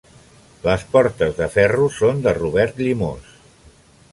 Les portes de ferro són de Robert Llimós.